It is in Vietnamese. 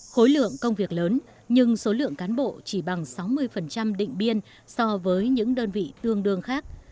khối lượng công việc lớn nhưng số lượng cán bộ chỉ bằng sáu mươi định biên so với những đơn vị tương đương khác